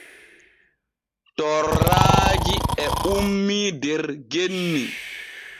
Tooraaji e ummii der genni.